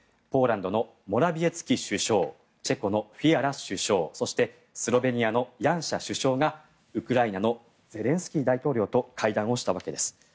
ポーランドのモラビエツキ首相チェコのフィアラ首相そしてスロベニアのヤンシャ首相がウクライナのゼレンスキー大統領と会談をしたわけです。